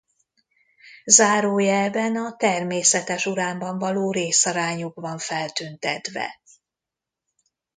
Zárójelben a természetes uránban való részarányuk van feltüntetve.